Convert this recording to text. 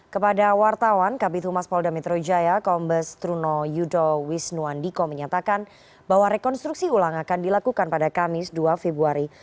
kepada wartawan kabit humas polda metro jaya kombes truno yudo wisnuandiko menyatakan bahwa rekonstruksi ulang akan dilakukan pada kamis dua februari